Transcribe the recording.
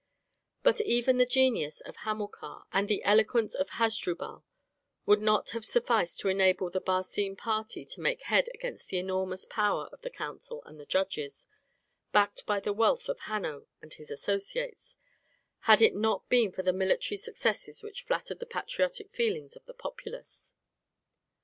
But even the genius of Hamilcar and the eloquence of Hasdrubal would not have sufficed to enable the Barcine party to make head against the enormous power of the council and the judges, backed by the wealth of Hanno and his associates, had it not been for the military successes which flattered the patriotic feelings of the populace.